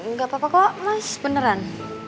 gak apa apa kok mas beneran